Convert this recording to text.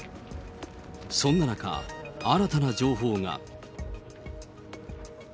そんな中、新たな情報が。